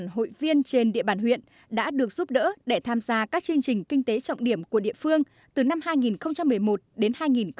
một mươi hội viên trên địa bàn huyện đã được giúp đỡ để tham gia các chương trình kinh tế trọng điểm của địa phương từ năm hai nghìn một mươi một đến hai nghìn một mươi tám